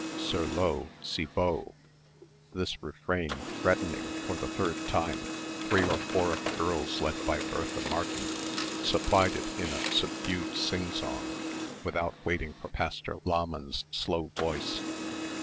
"Sur l'eau, si beau!" This refrain threatening for the third time, three or four of the girls led by Bertha Martin, supplied it in a subdued singsong without waiting for Pastor Lahmann's slow voice.